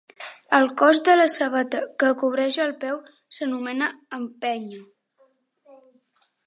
El cos de la sabata, que cobreix el peu, s'anomena empenya.